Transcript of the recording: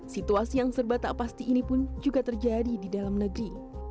situasi yang serba tak pasti ini pun juga terjadi di dalam negeri